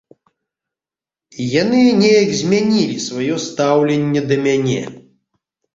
Яны неяк змянілі сваё стаўленне да мяне.